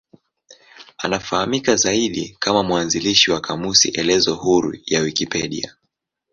Anafahamika zaidi kama mwanzilishi wa kamusi elezo huru ya Wikipedia.